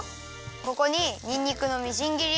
ここににんにくのみじん切り。